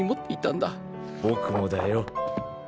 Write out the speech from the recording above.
僕もだよ。